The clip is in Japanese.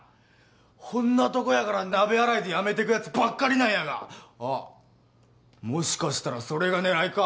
ほんなとこやから鍋洗いで辞めてくやつばっかりなんやがもしかしたらそれが狙いか？